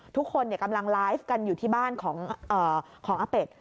ทุกคนกำลังไลฟ์กันอยู่ที่บ้านของอาเป็ด